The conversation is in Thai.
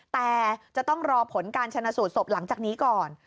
แต่จะต้องรอผลการชนะสูตรศพหลังจากนี้ก่อน